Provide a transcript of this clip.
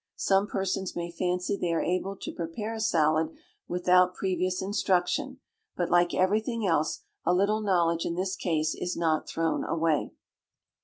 Some persons may fancy they are able to prepare a salad without previous instruction, but, like everything else, a little knowledge in this case is not thrown away.